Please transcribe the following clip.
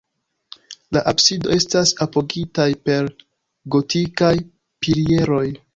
La absido estas apogitaj per gotikaj pilieroj.